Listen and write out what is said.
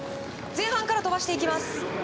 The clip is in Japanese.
前半から飛ばしていきます。